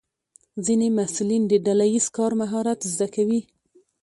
ځینې محصلین د ډله ییز کار مهارت زده کوي.